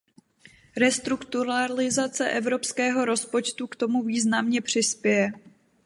Restrukturalizace evropského rozpočtu k tomu významně přispěje.